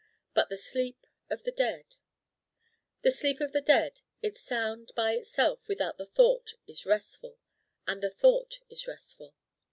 But the sleep of the dead the sleep of the dead. Its sound by itself without the thought is Restful And the thought is Restful.